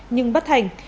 nhưng bất hành